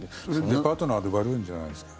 デパートのアドバルーンじゃないですか？